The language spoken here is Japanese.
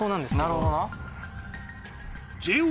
なるほどな。